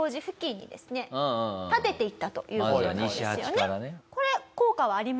立てていったという事なんですよね。